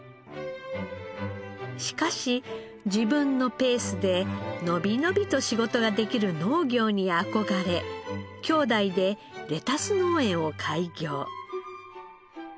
しかし自分のペースでのびのびと仕事ができる農業に憧れ兄弟でレタス農園を開業。